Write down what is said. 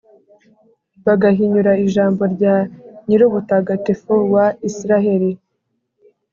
bagahinyura ijambo rya Nyir’ubutagatifu wa Israheli.